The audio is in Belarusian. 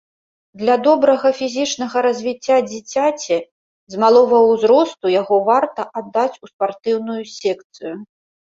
Для добрага фізічнага развіцця дзіцяці з малога ўзросту яго варта аддаць у спартыўную секцыю.